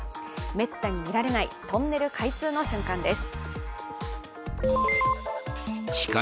めったに見られないトンネル開通の瞬間です。